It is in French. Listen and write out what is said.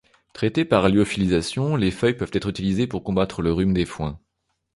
Traitées par lyophilisation, les feuilles peuvent être utilisées pour combattre le rhume des foins.